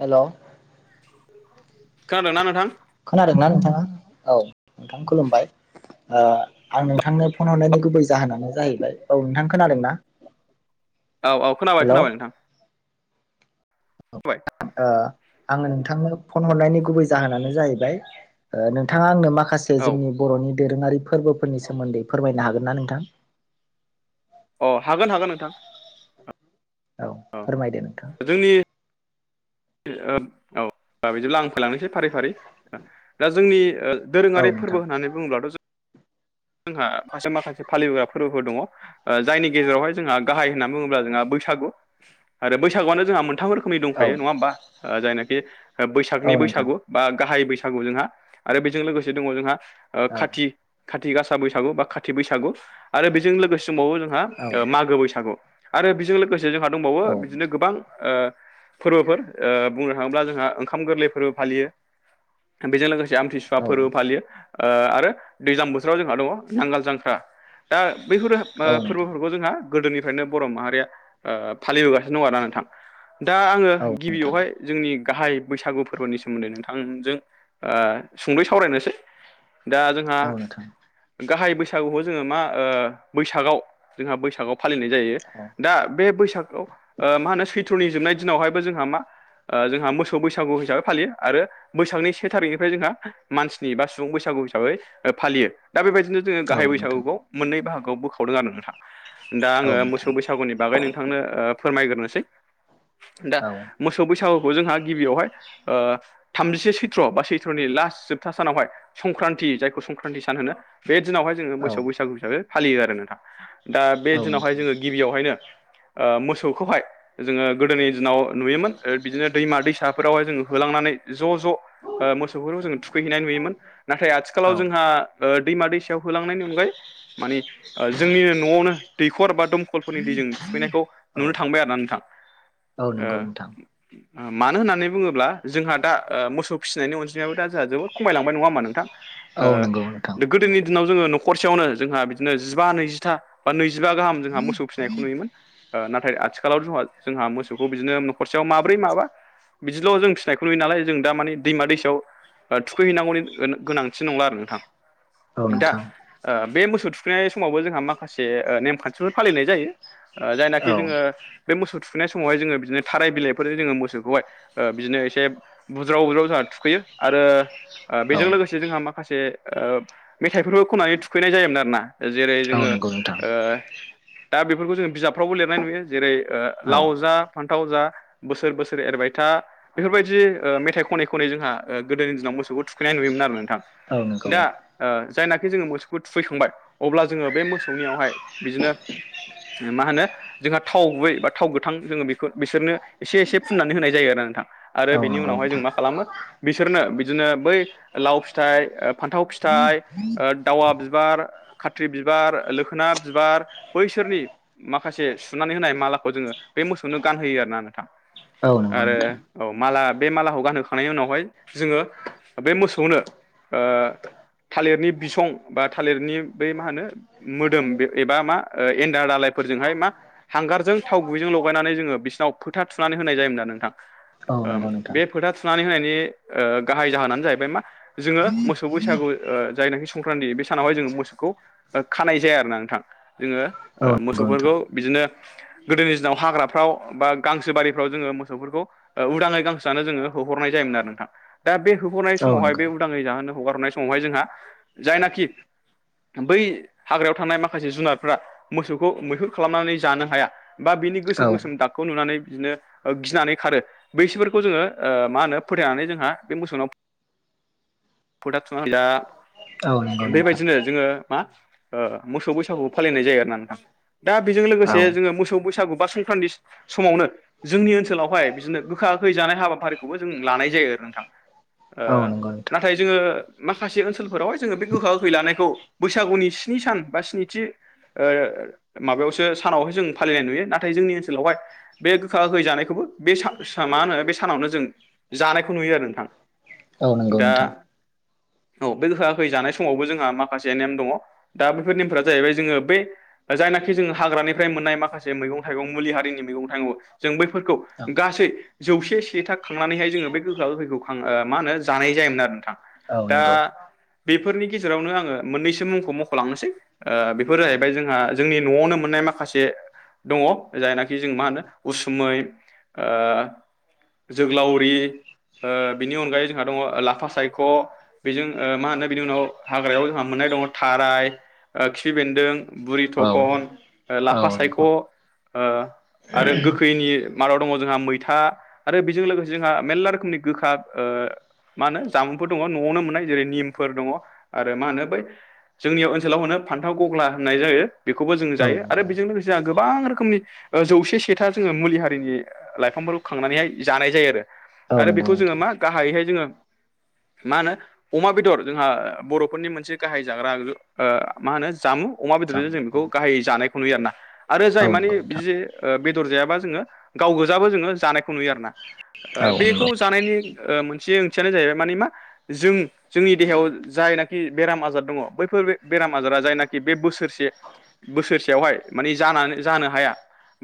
Hello खोनादों ना नोंथां? खोनादों ना नोंथाङा? औ नोंथां खुलुमबाय। ओ आं नोंथांनो फन हरनायनि गुबै जाहोनानो जाहैबाय, औ नोंथां खोनादोंना? औ औ खोनाबाय हेलौ खोनाबाय नोंथां। बाय ओ आङो नोंथांनो फन हरनायनि गुबै जाहोनानो जाहैबाय ओ नोंथाङा आंनो माखासे ए औ जोंनि बर'नि दोरोङारि फोरबोफोरनि सोमोन्दै फोरमायनो हागोन ना नोंथां? अ हागोन हागोन नोंथां। औ फोरमायदो नोंथां। जोंनि औ बिदिब्ला आं फैलांनोसै फारि फारि दा जोंनि औ दोरोङारि फोरबो नोंथां होननानै बुङोब्लाथ' जोंहा [inaudible] माखासे फालिबोग्रा फोरबोफोर दङ। ओ जायनि गेजेरावहाय जोंहा गाहाय होनना बुङोब्ला जोंहा बैसागु, आरो बैसागुआनो जोंहा मोन मोनथाम रोखोमनि औ दंखायो नङा होमबा? जायनाखि बैसागनि औ नोंथां बैसागु बा गाहाय बैसागु जोंहा आरो बेजों लोगोसे दङ जोंहा ओ औ खाथि खाथि गासा बैसागु बा खाथि बैसागु आरो बेजों लोगोसे दंबावो जोंहा औ मागो बैसागु। आरो बेजों लोगोसे जोंहा दंबावो बिदिनो नोंथां गोबां ओ फोरबोफोर। ओ बुंनो थाङोब्ला जोंहा ओंखाम गोरलै फोरबो फालियो बेजों लोगोसे आमथिसु औ फोरबो फालियो ओ आरो दैज्लां बोथोराव जोंहा दङ नांगाल जांख्रा। दा बैफोर ओ औ नोंथां फोरबो खौ जोंहा गोदोनिफ्रायनो बर' माहारिया ओ फालिबोगासिनो दं आरा नोंथां दा आङो औ नोंथां गिबियावहाय जोंनि गाहाय बैसागु फोरबोनि सोमोन्दै नोंथांजों ओ सुंद'यै सावरायनोसै दा जोंहा औ नोंथां गाहाय बैसागुखौ जोङो मा ओ बैसागावआव जोंहा बैसागाव फालिनाय जायो औ दा बे बैसागआव मा होनो सैथ्र'नि जोबनाय दिनावहायबो जों जोंहा मा जोंहा मोसौ बैसागु हिसाबै फालियो आरो बैसागनि से थारिखनिफ्राय जोंहा मानसिनि बा सुबुं बैसागु हिसाबै फालियो दा बेबायदिनो जोङो गाहाय औ नोंथां बैसागुखौ मोननै बागोआव बोखावदों आरो नोंथां दा आङो औ नोंथां मोसौ बैसागुनि बागै नोंथांनो फोरमायग्रोनोसै दा औ मोसौ बैसागुखौ जोंहा गिबियावहाय ओ थामजिसे सैथ्र' बा सैथ्रनि लास्ट जोबथा सानावहाय संक्रान्ति जायखौ संक्रान्ति सान होनो बे दिनावहाय जोङो मोसौ औ बैसागु हिसाबै फालियो आरो नोंथां दा बे औ दिनावहाय जोङो नोंथां गिबियावहायनो मोसौखौहाय जोङो गोदोनि दिनाव नुयोमोन। बिदिनो दैमा दैसाफोरावहाय जोङो होलांनानै ज' ज' ओ मोसौफोरखौ जोङो थुखैहैनाय नुयोमोन नाथाय आथिखालाव औ जोंहा ओ दैमा दैसायाव होलांनायनि अनगायै मानि जोंनिनो न'आवनो दैखर बा दमखलफोरनि दैजों थुखैनायखौ औ नुनो थांबाय आरोना नोंथां। औ नंगौ ओ नोंथां। मानो होननानै बुङोब्ला जोंहा दा मोसौ फिसिनायनि अनजिमायो दा जोंहा जोबोद खमायलांबाय नङा होमबा नोंथां? औ नंगौ नोंथां गोदोनि दिनाव जोङो न'खरसेयावनो जोंहा बिदिनो जिबा नैजिथा बा नैजिबा गाहाम जोंहा मोसौ फिनायखौ नुयोमोन नाथाय आथिखालाव जोंहा जोंहा मोसौखौ बिदिनो न'खरसेयाव माब्रै माबा बिदिल' जों फिसिनायखौ नुयो नालाय जों दा मानि दैमा दैसायाव थुखै हैनांगौनि गोनांथि नंला आरो नोंथां औ दा नोंथां बे मोसौ थुखैनाय समावबो जोंहा माखासे ने खान्थिफोर फालिनाय जायो जायनाखि औ जोङो बे मोसौ थुखैनाय समावहाय जोङो बिदिनो थाराय बिलाइफोरजों जोङो मोसौखौहाय बिदिनो एसे बुज्राव बुज्राव जोंहा थुखैयो। आरो औ बेजों लोगोसे से जोंहा माखासे मेथाइफोरबो खननानै थुखैनाय जायोमोन आरो ना। जेरै औ जोङो नंगौ नोंथां ओ दा बेफोरखौ जोङ बिजाबफ्रावबो लिरनाय नुयो जेरै ओ औ लाव जा फान्थाव जा बोसोर बोसोर एरबाय था बेफोरबायदि ओ मेथाइ खनै खनै जोंहा गोदोनि दिनाव मोसौखौ थुखैनाय नुयोमोन आरो नोंथां। औ नंगौ दा जायनाखि जोङो मोसौखौ थुखैखांबाय अब्ला जोङो बे मोसौनियावहाय बिदिनो मा होनो जोंहा थाव गुबै बा थाव गोथां जोङो बे बिसोरनो एसे एसे फुननानै होनाय जायो आरो नोंथां आरो औ बिनि नंगौ उनावहाय जों नोंथां मा खालामगोन बिसोरनो बिदिनो बै लाव फिथाइ फान्थाव फिथाइ दावा बिबार खाथ्रि बिबार लोखोना बिबार बैसोरनि माखासे सुनानै होनाय मालाखौ जोङो बे मोसौनो गानहोयो आरोना नोंथां औ नंगौ आरो नोंथां औ माला बे मालाखौ गानहोखांनायनि उनावहाय जोङो बे मोसौनो थालिरनि बिसं बा थालिरनि बै मा होनो मोदोम एबा मा एन्दार दालायफोरजोंहाय मा हांगारजों थाव गुबैजों ल गायनानै जोङो बिसिनाव फोथा थुनानै होनाय जायोमोन नोंथां। औ नंगौ नोंथां बे फोथा थुनानै होनायनि गाहाय जाहोनानो जाहैबाय मा जोङो मोसौ बैसागु ओ जायनाखि संक्रान्ति बे सानावहाय जोङो मोसौखौ खानाय जाया आरोना नोंथां जोङो औ नंगौ नोंथां मोसौफोरखौ बिदिनो गोदोनि दिनाव हाग्राफ्राव बा गांसो बारिफ्राव जोङो मोसौफोरखौ ह उदाङै गांसोआनो जोङो होहरनाय जायोमोन आरो नोंथां। दा बे होहरनाय औ समावहाय नंगौ बे उदाङै जाहोनो हगारहरनाय समावहाय जोंहा जायनाखि बै हाग्रायाव थानाय माखासे जुनारफ्रा मोसौखौ मैहुर खालामनानै जानो हाया बा बिनि औ गोसोम गोसोम दाग खौ नुनानै बिदिनो गिनानै खारो बैसोरफोरखौ जोङो ओ मा होनो फोथायनानै जोंहा बे मोसौनाव फो थुना होयोदा औ नंगौ नोंथां बेबायदिनो जोङो मा मोसौ बैसागु फालिनाय जायो आरो ना नोंथां। दा बेजों औ लोगोसे जोङो मोसौ बैसागु बा संक्रान्ति समावनो जोंनि ओनसोलावहाय बिदिनो गोखा गोखै जानाय हाबाफारिखौबो जों लानाय जायो आरो नोंथां। ओ औ नंगौ नोंथां नाथाय जोङो माखासे ओनसोलफोरावहाय जोङो बे गोखा गोखै लानायखौ बैसागुनि स्नि सान बा स्निथि ओ माबायावसो सानावसो जों फालिनाय नुयो ना थाय जोंनि ओनसोलावहाय बे गोखा गोखै जानायखौबो बे मा होनो बे सानावनो जों जानायखौ नुयो आरो नोंथां। औ नंगौ दा नोंथां औ बे गोखा गोखै जानाय समावबो जोंहा माखासे नेम दङ दा बेफोर नेमफोरा जाहैबाय जोङो बै जायनाखि जोङो हाग्रानिफ्राय मोननाय माखासे मैगं मुलि हारिनि मैगं थाइगं जों बैफोरखौ औ गासै जौसे से था खांनानैहाय जोङो बे गोखा गोखैखौ खां मा होनो जानाय जायोमोन आरो नोंथां। औ दा नंगौ बेफोरनि गेजेरावनो आङो मोननैसो मुंखौ मख'लांनोसै ओ बेफोर औ जाहैबाय जोंहा जोंनि न'आवनो मोननाय माखासे दङ' जायनाखि जों मा होनो उसुमै ओ जोगोलावरि ओ बिनि अनगायै जोंहा दङ' लाफा सायख' बेजों ओ मा होनो बिनि उनाव हाग्रायाव जोंहा मोननाय दङ' थाराय ओ खि बेन्दों, बुरि औ थखन, ओ लाफा औ सायख' नंगौ ओ आरो गोखैनि मादाव दङ' जोंहा मैथा आरो बेजों लोगोसे जोंहा मेर्ला रोखोमनि गोखा ओ मा होनो जामुंफोर दङ' न'आवनो मोननाय जेरै निमफोर दङ' आरो मा होनो बै जोंनि ओनसोलाव होनो फान्थाव गग्ला होननाय जायो बेखौबो जों औ जायो आरो नंगौ बेजों लोगोसे आं गोबां रो खोमनि ओ जौसे सेथा जोङो मुलि हारिनि लाइफांफोरखौ खांनानैहाय जानाय जायो आरो। औ आरो नंगौ बेखौ जोङो नोंथां मा गाहायैहाय जोङो मा होनो अमा बेदर जोंहा बर'फोरनि मोनसे गाहाय जाग्रा ओ मा होनो जामु अमा बेदरजों जों बेखौ गाहाय जानायखौ नुयो आरो ना जाय औ मानि नंगौ नोंथां बिदि ओ बेदर जायाबा जोङो गाव गोजाबो जोङो जानायखौ नुयो आरोना औ ओ नंगौ बेखौ जानायनि ओ मोनसे ओंथियानो जाहैबाय माने मा जों जोंनि देहायाव जायनाखि बेराम आजार दङ' बैफोर बेराम आजारा जायनाखि बे बोसोरसे बोसोरसेयावहाय माने जानानै जानो हाया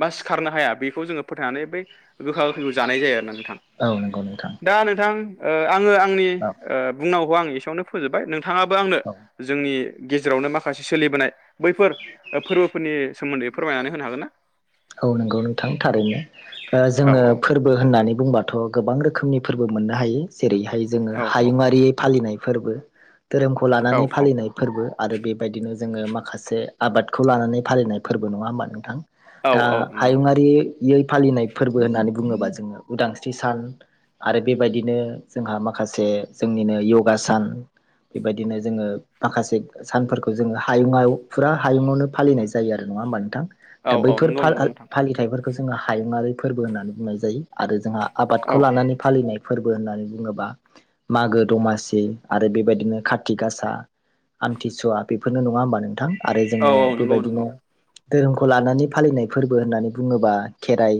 बा सिखारनो हाया बेखौ जोङो फोथायनानै बै गोखा गोखैखौ जानाय जायो आरो ना थां औ नंगौ नोंथां दा नोंथां ओ आङो आंनि औ ओ बुंनांगौ आं एसेयावनो फोजोबबाय नोंथाङाबो आंनो औ जोंनि गेजेरावनो माखासे सोलिबोनाय बैफोर फोरबोफोरनि सोमोन्दै फोरमायनानै होनो हागोन ना? औ नंगौ नोंथां थारैनो ओ औ जोङो औ फोर बो होननानै बुंबाथ' गोबां रोखोमनि फोरबो मोननो हायो जेरैहाय जोङो औ हायुङारि फालिनाय फोरबो धोरोमखौ औ लानानै फालिनाय फोरबो आरो बेबायदिनो जोङो माखासे आबादखौ लानानै फालिनाय फोरबो नङा होमबा नोंथां? औ दा औ नंगौ हायुङारि यै फालिनाय फोरबो होननानै बुङोबा जोङो उदांस्रि सान आरो बेबायदिनो जोंहा माखासे जोंनिनो यगा सान बेबायदिनो जोङो माखासे सानफोरखौ जोङो हायुङआव फुरा हायुङावनो फालिनाय जायो आरो नङा होमबा नोंथां? औ दा औ बैफोर नंगौ फाल नंगौ नोंथां आल मेथाइफोरखौ जोङो हायुङारि फोरबो होननानै बुंनाय जायो आरो जोंहा औ आबादखौ लानानै फालिनाय फोरबो होननानै बुङोबा मागो दमासि आरो बेबायदिनो खाथि गासा आमथिसुवा बेफोरनो नङा होमबा नोंथां? आरो औ जोङो औ नंगौ बेबायदिनो नंगौ धोरोमखौ लानानै फालिनायफोर बो होननानै बुङोबा खेराइ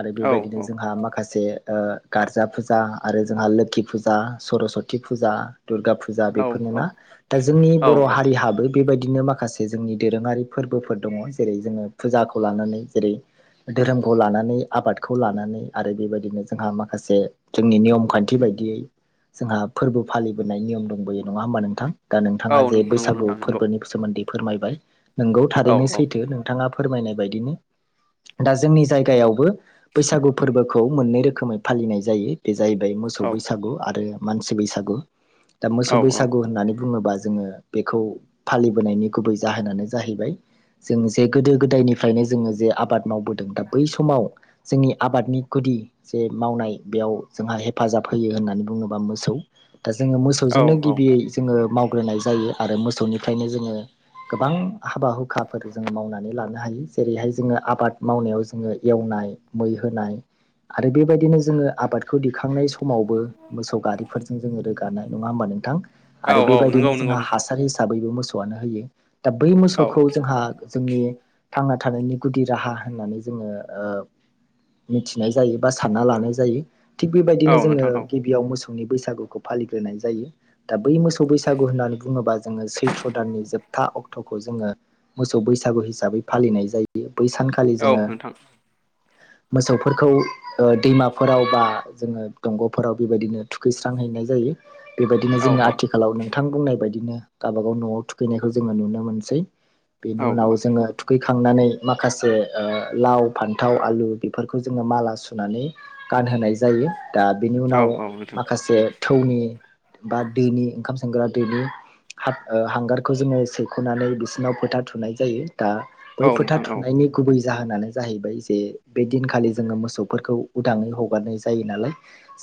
आरो औ बेबायदिनो जोंहा माखासे ओ गारजा फुजा आरो जोंहा लोखि फुजा सरसति फुजा दुर्गा फु फुजा औ बेफोरनोना दा जोंनि औ बर' हारिहाबो बेबायदिनो माखासे जोंनि दोरोङारि फोरबोफोर दङ' जेरै जोङो फुजाखौ लानानै जेरै धोरोमखौ लानानै आबादखौ लानानै आरो बेबायदिनो जोंहा माखासे जोंनि नियम खान्थि बायदियै जोंहा फोरबो फालिबोनाय नियम दंबोयो नङा होमबा नोंथां? दा औ नोंथाङा जे नंगौ नंगौ बैसागु नोंथां नंगौ फोरबोनि सोमोन्दै फोरमायबाय नोंगौ औ थारैनो औ सैथो नोंथाङा फोरमायनाय बायदिनो दा जोंनि जायगायावबो बैसागु फोरबोखौ मोननै रोखोमै फालिनाय जायो। बे जाहैबाय मोसौ औ बैसागु आरो मानसि बैसागु। दा मोसौ बैसागु होननानै बुङोबा जोङो बेखौ फालिबोनायनि गुबै जाहोनानो जाहैबाय जों जे गोदो गोदायनि फ्रायनो जोङो जे आबाद मावबोदों दा बै समाव जोंनि आबादनि गुदि जे मावनाय बेयाव जोंहा हेफाजाब होयो होननानै बुङोबा मोसौ दा जोङो औ मोसौजोंनो औ गिबियै जोङो मावग्रोनाय जायो आरो मोसौनिफ्रायनो जोङो गोबां हाबा-हुखाफोर जों मावनानै लानो हायो। जेरैहाय जोङो आबाद मावनायाव जोङो एवनाय मै होनाय आरो बेबायदिनो जोङो आबादखौ दिखांनाय स समावबो मोसौ गारिफोरजों जों रोगानाय नङा होमबा नोंथां? औ आरो नंगौ बेबायदिनो नंगौ जोंहा नोंथां हासार हिसाबैबो मोसौआनो होयो दा बै औ मोसौखौ जोंहा जोंनि थांना थानायनि गुदि राहा होननानै जोङो ओ मिथिनाय जायो बा सानना लानाय जायो। थिग औ बेबायदिनो जोङो नोंथां औ गिबियाव मोसौनि बैसागुखौ फालिग्रोनाय जायो। दा बै मोसौ बैसागु होननानै बुङोबा जोङो सैथ्र' दाननि जोबथा अक्ट' खौ जोङो मोसौ बैसागु हिसाबै फालिनाय जायो बै सानखालि औ जोङो नोंथां मोसौफोरखौ ओ दैमाफोराव बा जोङो दंग'फोराव बेबायदिनो थुखैस्रांहैनाय जायो। बेबायदिनो औ जोङो औ आथिखालाव नोंथां बुंनाय बायदिनो गाबागाव न'आव थुखैनायखौ जोङो नुनो मोनसै। औ बेनि उनाव जोङो थुख खांनानै माखासे ओ लाव फान्थाव आलु बेफोरखौ जोङो माला सुनानै गानहोनाय जायो दा बेनि औ उनाव औ नोंथां माखासे थौनि बा दोनि ओंखाम संग्रा दोनि हाब ओ हांगारखौ जोङो सेैख'नानै बिसोरनाव फोथा थुनाय जायो दा बै औ फोथा नोंथां औ थुनायनि गुबै जाहोनानो जाहैबाय जे बे दिनखालि जोङो मोसौफोरखौ उदाङै हगारनाय जायो नालाय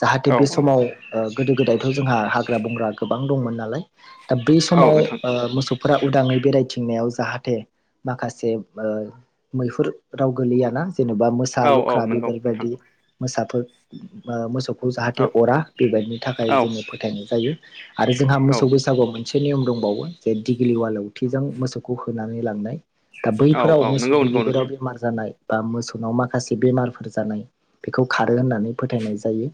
जाहाथे औ बे समाव ओ गोदो गोदायथ' जोंहा हाग्रा बंग्रा गोबां दंमोन नालाय दा बै औ समाव नोंथां ओ मोसौफोरा उदाङै बेरायथिंनायाव जाहाथे माखासे ओ मैहुर राव गोलैयाना जेनेबा मोसा औ औ लख्रा नंगौ नोंथां बेबोरबायदि मोसाफोर ओ मोसौखौ औ जाहाथे अरा बेबायदिनि थाखाय औ जोङो फोथायनाय जायो आरो जोंहा औ मोसौ बैसागुआव मोन से नियम दंबावो जे दिगिलिवा लावथिजों मोसौखौ होनानै लांनाय दा औ बैफोराव नंगौ मोसौनि नंगौ बिगुराव नोंथां बेमार जानाय बा मोसौनाव माखासे बेमारफोर जानाय बेखौ खारो होननानै फोथायनाय जायो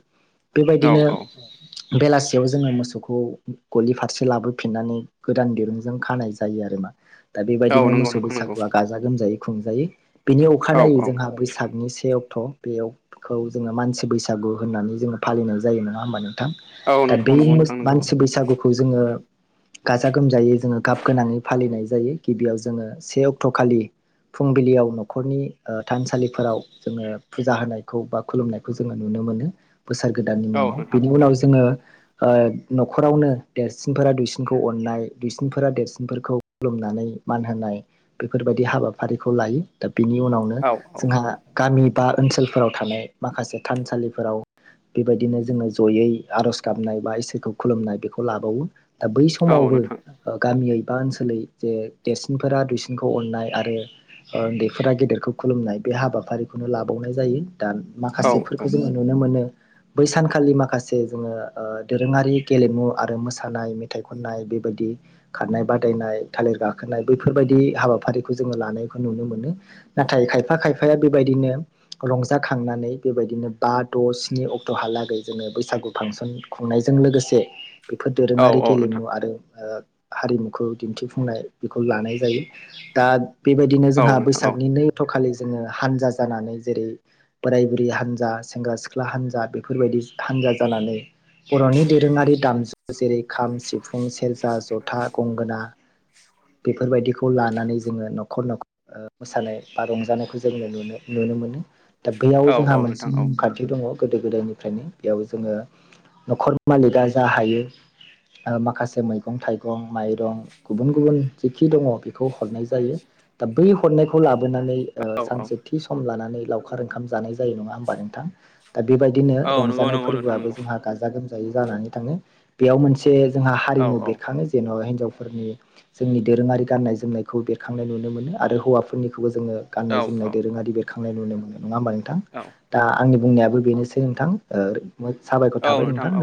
औ बेबायदिनो औ बेलासियाव जोङो मोसौखौ गलि फारसे लाबोफिननानै गोदान दिरुंजों खानाय जायो आरोमा दा औ बेबायदिनो नंगौ मोसौ नोंथां नंगौ बैसागुआ गाजा गोमजायै खुंजायो बिनि औ अखानायै औ जोंहा बैसागनि से अक थ' बेयाव खौ जोङो मानसि बैसागु होननानै जोङो फालिनाय जायो नङा होमबा नों था औ दा नोंखौ बे नंगौ मोस नोंथां नंगौ मानसि बैसागुखौ जोङो गाजा-गोमजायै जोङो गाब गोनाङै फालिनाय जायो गिबियाव जोङो से अक्ट' खालि फुंबिलियाव न'खरनि ओ थानसालिफोराव जोङो फुजा होनायखौ बा खुलुमनायखौ जोङो नुनो मोनो बोसोर गोदाननि औ मुङाव नोंथां बेनि उनाव ज जोङो ओ न'खरावनो देरसिनफोरा दुइसिनखौ अननाय दुइसिनफोरा देरसिनफोरखौ खुलुमनानै मान होनाय बेफोरबायदि हाबाफारिखौ लायो दा बिनि उनावनो औ औ जोंहा गामि बा ओनसोलफोराव थानाय माखासे थानसालिफोराव बेबायदिनो जोङो जयै आर'ज गाबनाय बा इसोरखौ खुलुमनाय बेखौ लाबावो दा बै औ समावबो नोंथां ओ गामियै बा ओनसोलै जे देरसिनफोरा दुइसि [unintelligible] खौ अन्नाय आरो उन्दैफोरा गेदेरखौ खुलुमनाय बे हाबाफारिखौनो लाबावनाय जायो दा औ माखासेफोरखौ जोङो नुनो मोनो बै सानखालि माखासे जोङो ओ दोरोङारि गेलेमु आरो मोसानाय मेथाइ खननाय बेबादि खारनाय बादायनाय थालिर गाखोनाय बैफोरबायदि हाबाफारिखौ जोङो लानायखौ नुनो मोनो नाथाय खायफा-खायफाया बेबायदिनो रंजाखांनानै बेबायदिनो बा द' स्नि अक्ट'हालागै जोङो बैसागु फांसन खुंनायजों लोगोसे बेफोर औ दोरोङारि नोंथां गेलेमु आरो ओ हारिमुखौ दिन्थिफुंनाय बेखौ लानाय जायो। दा बेबायदिनो औ जोंहा नोंथां बैसागनि औ नै अक्त' खालि जोङो हानजा जानानै जेरै बोराय बुरै हानजा, सेंग्रा सिख्ला हान्जा बेफोरबायदि हान्जा जानानै बर'नि दोरोङारि दामजु जेरै खाम, सिफुं, सेरजा, जथा, गंगोना बेफोरबायदिखौ खौ लानानै जोङो न'खर न'खर ओ मोसानाय बा रंजानायखौ जोङो नु-नुनो मोनो। दा बेयाव औ जोंहा औ मोनसे नोंथां मुं खानथि दङ गोदो गोदायनिफ्रायनो। बेयाव जोङो न'खर मालिगा जा हायो माखासे मैगं थाइगं, माइरं गुबुन गुबुन जिखि दङ खौ हरनाय जायो। दा बै हरनायखौ लाबोनानै ओ औौ औ सानसे थि सम लानानै लावखार ओंखाम जानाय जायो नङा होमबा नोंथां? दा बेबायदिनो औ नंगौ रंजानाय नंगौ नोंथां फोरबोआबो नंगौ जोंहा गाजा गोमजायै जानानै थाङो। बेयाव मोनसे जोंहा औ हारिमु औ बेरखाङो जेनेबा हिनजावफोरनि जोंनि दोरोङारि गाननाय जोमनायखौ बेखांनाय नुनो मोनो आरो हौवाफोरनिखौबो जोङो औ गाननाय जोमनाय दोरोङारि बेर खांनाय नुनो मोनो। नङा होमबा नोंथां? औ। दा आंनि बुंनायाबो बेनोसै नोंथां, साबायखर औ थाबाय नोंथां औ